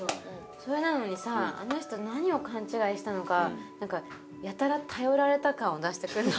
それなのにさあの人何を勘違いしたのか何かやたら頼られた感を出して来んの。